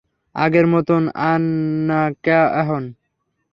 আগের মতোন আন না ক্যা এহন?